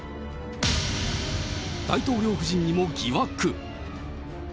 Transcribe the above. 大統領夫人にも疑惑。